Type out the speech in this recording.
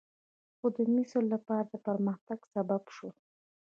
خو د مصر لپاره د پرمختګ سبب شول.